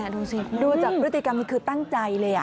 ดูสิดูจากพฤติกรรมนี้คือตั้งใจเลย